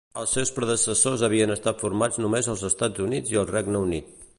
Els seus predecessors havien estat formats només als Estats Units i el Regne Unit.